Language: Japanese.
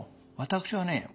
私はね